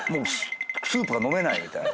スープが飲めないみたいな。